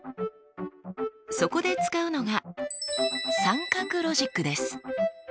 そこで使うのが三角ロジックです。